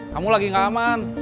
kamu lagi gak aman